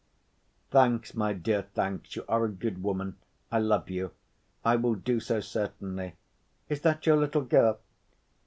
"Thanks, my dear, thanks! You are a good woman. I love you. I will do so certainly. Is that your little girl?"